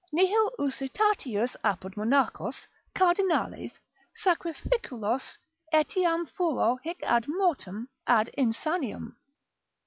Nihil usitatius apud monachos, Cardinales, sacrificulos, etiam furor hic ad mortem, ad insaniam.